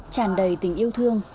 tràn đầy tình yêu thương